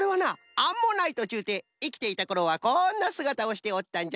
アンモナイトっちゅうていきていたころはこんなすがたをしておったんじゃ。